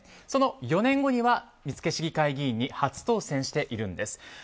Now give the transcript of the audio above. その４年後には見附市議会議員に初当選しているんです。